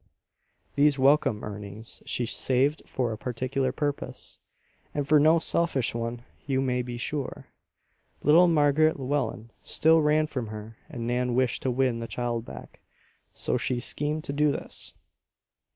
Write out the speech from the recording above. These welcome earnings she saved for a particular purpose, and for no selfish one, you may be sure. Little Margaret Llewellen still ran from her and Nan wished to win the child back; so she schemed to do this.